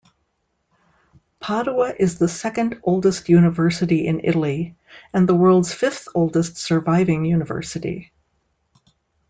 Padua is the second-oldest university in Italy and the world's fifth-oldest surviving university.